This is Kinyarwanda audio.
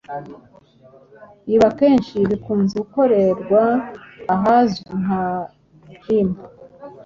Ibi akenshi bikunze gukorerwa ahazwi nka ‘gym’